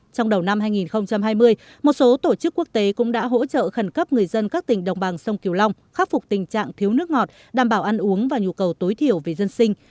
trong đầu năm hai nghìn hai mươi một số tổ chức quốc tế cũng đã hỗ trợ khẩn cấp người dân các tỉnh đồng bằng sông kiều long khắc phục tình trạng thiếu nước ngọt đảm bảo ăn uống và nhu cầu tối thiểu về dân sinh